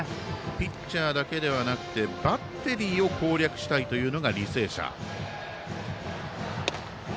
ピッチャーだけじゃなくてバッテリーを攻略したいのが履正社。